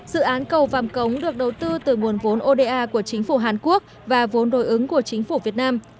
dự án cầu vàm cống được đầu tư từ nguồn vốn oda của chính phủ hàn quốc và vốn đối ứng của chính phủ việt nam